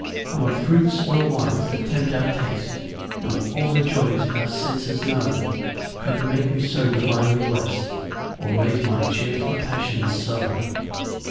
5 Not fruits nor wines that tempt our taste, Not all the joys our senses know, Could make me so divinely blest Or raise my cheerful passions so.